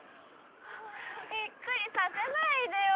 びっくりさせないでよ